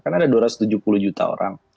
karena ada dua ratus tujuh puluh juta orang